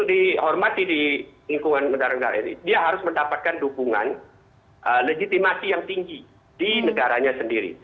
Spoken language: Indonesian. dia harus mendapatkan dukungan legitimasi yang tinggi di negaranya sendiri